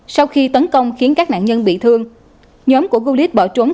sau khi tấn công khiến các nạn nhân bị thương nhóm của hulit bỏ trốn khỏi nhà